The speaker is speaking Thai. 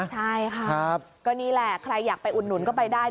ใช่ค่ะก็นี่แหละใครอยากไปอุดหนุนก็ไปได้